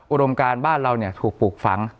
อุดมการบ้านเราถูกปลูกฝัง